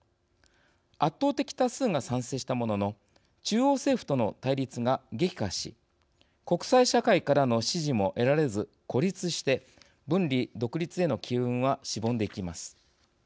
圧倒的多数が賛成したものの中央政府との対立が激化し国際社会からの支持も得られず孤立して分離独立への機運はしぼんでいきます。